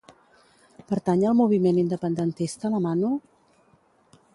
Pertany al moviment independentista la Manu?